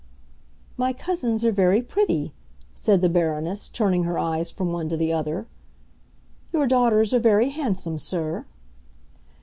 "My cousins are very pretty," said the Baroness, turning her eyes from one to the other. "Your daughters are very handsome, sir."